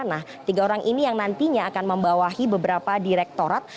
nah tiga orang ini yang nantinya akan membawahi beberapa direktorat